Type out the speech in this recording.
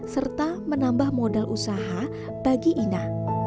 serta menambah modal usaha bagi ina